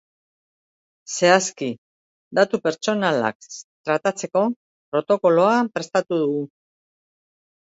Zehazki, Datu pertsonalak tratatzeko protokoloa prestatu dugu.